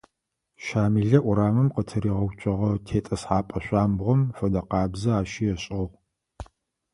Щамилэ урамым къытыригъэуцогъэ тетӀысхьапӀэ шъуамбгъом фэдэкъабзэ ащи ышӀыгъ.